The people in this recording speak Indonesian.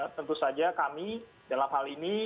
tentu saja kami dalam hal ini